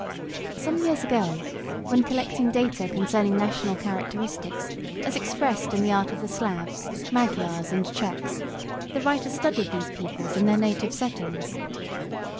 Some years ago, when collecting data concerning national characteristics as expressed in the art of the Slavs, Magyars and Czechs, the writer studied these peoples in their native settings.